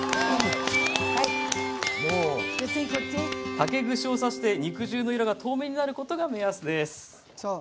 竹串を刺して肉汁の色が透明になることが目安です。